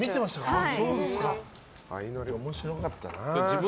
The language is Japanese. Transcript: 「あいのり」面白かったな。